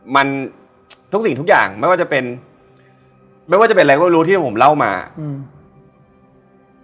มันทุกสิ่งทุกอย่างไม่ว่าจะเป็นไม่ว่าจะเป็นอะไรก็รู้ที่ผมเล่ามาอืม